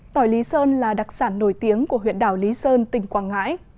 tỏi lý sơn là đặc sản nổi tiếng của huyện đảo lý sơn tỉnh quảng ngãi